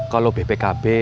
kalau bpkb biasanya enam bulan